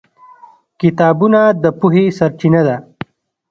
کتابونه د پوهې سرچینه ده.